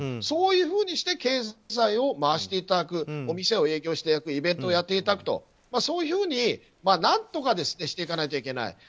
そういうふうにして経済を回していただくお店を営業していただくイベントをやっていただくとそういうふうに何とかしていかなきゃいけない。